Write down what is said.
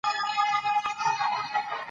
طلا د افغانستان د اجتماعي جوړښت برخه ده.